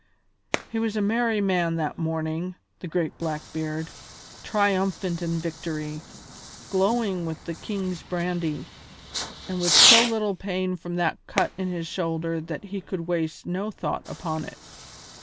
He was a merry man that morning, the great Blackbeard, triumphant in victory, glowing with the king's brandy, and with so little pain from that cut in his shoulder that he could waste no thought upon it.